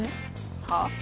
はあ？